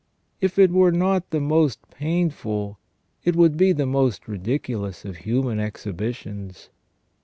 If it were not the most painful it would be the most ridiculous of human exhibitions.